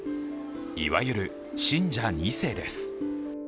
いわゆる信者２世です。